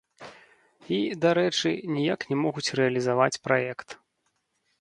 І, дарэчы, ніяк не могуць рэалізаваць праект.